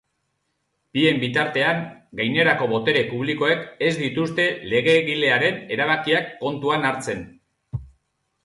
Bien bitartean, gainerako botere publikoek ez dituzte legegilearen erabakiak kontuan hartzen.